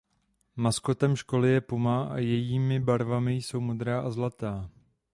Maskotem školy je puma a jejími barvami jsou modrá a zlatá.